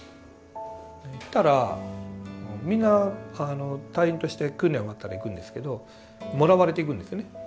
行ったらみんな隊員として訓練終わったら行くんですけどもらわれていくんですよね。